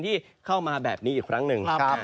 ที่เข้ามาแบบนี้อีกครั้งหนึ่ง